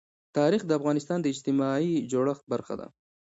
تاریخ د افغانستان د اجتماعي جوړښت برخه ده.